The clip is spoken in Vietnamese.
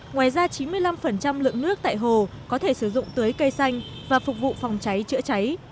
ngoài ra chín mươi năm lượng nước tại hồ có thể sử dụng tưới cây xanh và phục vụ phòng cháy chữa cháy